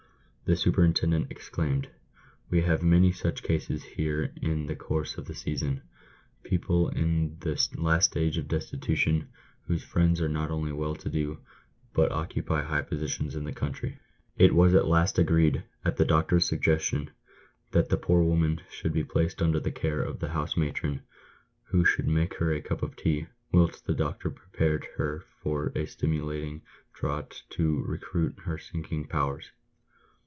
The superintendent exclaimed, " "We have many such cases here in the course of the season— people in the last stage of destitution, whose friends are not only well to do, but occupy high positions in the country." It was at last agreed, at the doctor's suggestion, that the poor woman should be placed under the care of the house matron, who should make her a cup of tea, whilst the doctor prepared for her a stimulating draught to recruit her sinking powers.